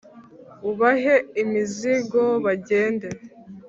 Ubahe imizigo Bagende.